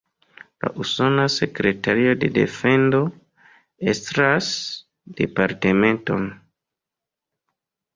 La Usona Sekretario de Defendo estras departementon.